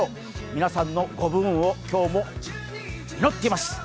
皆さんのご武運を今日も祈っています。